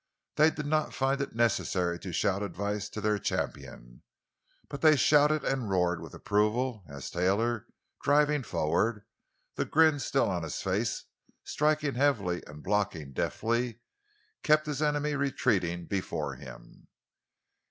They did not find it necessary to shout advice to their champion; but they shouted and roared with approval as Taylor, driving forward, the grin still on his face, striking heavily and blocking deftly, kept his enemy retreating before him.